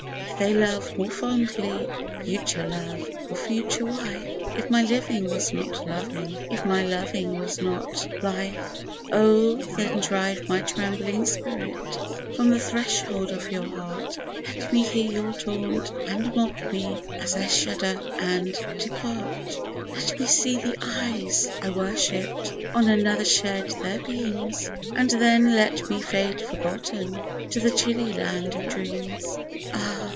if they love more fondly (future love or future wife). If my living was not loving — if my loving was not Life^ Oh ! then drive my tremb'ling spirit from the thresh hold of your heart, Let me hear you taunt and mock me as I shudder and depart ! 8o ''After long Years!' Let me see the eyes I worshipped on another shed their beams, And then let me fade forgotten to the chilly land of dreams ! Ah